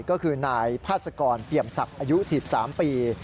ก็คือนายพาสกรเปี่ยมศักดิ์อายุ๑๓ปี